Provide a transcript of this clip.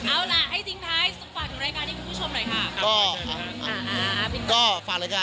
เอาล่ะให้ทิ้งท้ายฝากถึงรายการให้คุณผู้ชมหน่อยค่ะ